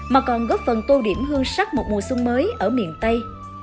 mà còn góp phần tô điểm hương sắc một mùa xuân mới ở miền tây